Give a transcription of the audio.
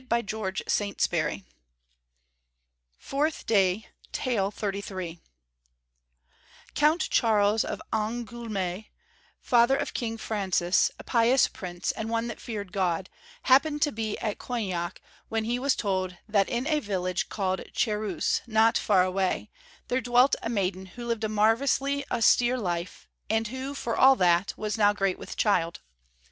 (1) Count Charles of Angoulême, father of King Francis, a pious Prince and one that feared God, happened to be at Coignac when he was told that in a village called Cherues, (2) not far away, there dwelt a maiden who lived a marvellously austere life, and who, for all that, was now great with child.